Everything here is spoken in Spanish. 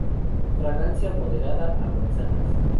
Fragancia moderada a manzanas.